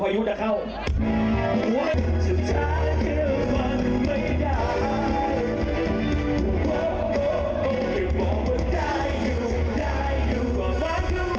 เย้เย้จมัดเลยอ่ะ